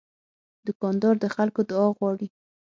دوکاندار د خلکو دعا غواړي.